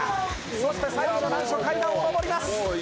そして最後の難所階段を上ります。